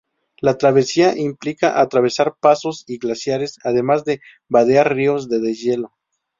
La travesía implica atravesar pasos y glaciares, además de vadear ríos de deshielo.